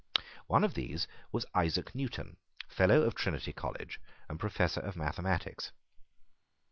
One of these was Isaac Newton, Fellow of Trinity College, and Professor of mathematics.